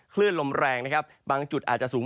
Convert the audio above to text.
คลื่นลมแรงนะครับบางจุดอาจจะสูง